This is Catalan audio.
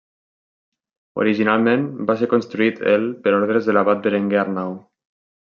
Originalment va ser construït el per ordres de l'abat Berenguer Arnau.